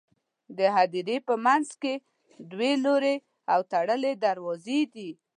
د هدیرې په منځ کې دوه لوړې او تړلې دروازې دي.